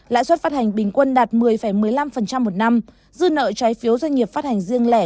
lãi suất phát hành bình quân đạt một mươi một mươi năm một năm dư nợ trái phiếu doanh nghiệp phát hành riêng lẻ